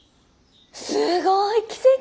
すごい！奇跡！